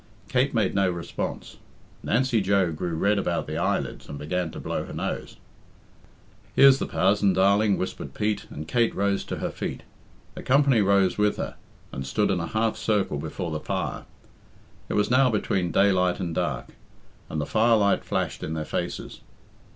Kate made no response. Nancy Joe grew red about the eyelids and began to blow her nose. "Here's the prazon, darling," whispered Pete, and Kate rose to her feet. The company rose with her, and stood in a half circle before the fire. It was now between daylight and dark, and the firelight flashed in their faces.